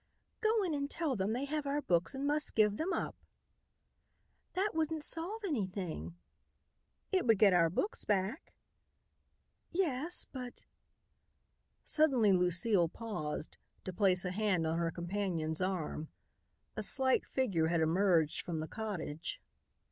"Go in and tell them they have our books and must give them up." "That wouldn't solve anything." "It would get our books back." "Yes, but " Suddenly Lucile paused, to place a hand on her companion's arm. A slight figure had emerged from the cottage.